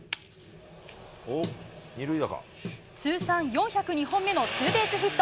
通算４０２本目のツーベースヒット。